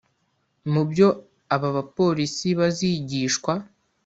Mu byo aba bapolisi bazigishwa